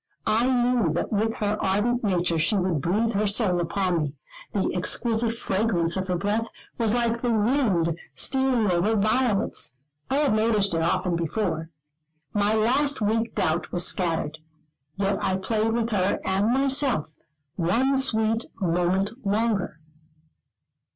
I knew that with her ardent nature she would breathe her soul upon me. The exquisite fragrance of her breath was like the wind stealing over violets. I had noticed it often before. My last weak doubt was scattered; yet I played with her and myself, one sweet moment longer.